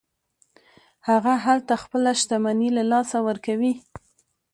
هغه هلته خپله شتمني له لاسه ورکوي.